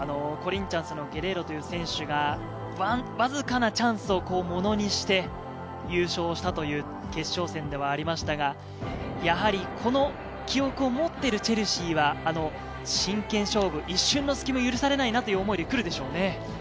コリンチャンスのゲレーロという選手がわずかなチャンスをものにして、優勝したという決勝戦ではありましたが、やはりこの記憶を持っているチェルシーは、真剣勝負、一瞬の隙も許されないなという思いでくるでしょうね。